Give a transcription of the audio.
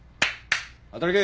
働け。